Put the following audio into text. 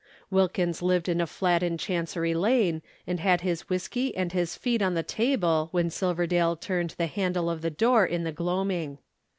Wilkins lived in a flat in Chancery Lane, and had his whiskey and his feet on the table when Silverdale turned the handle of the door in the gloaming.